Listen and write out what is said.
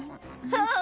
ああ。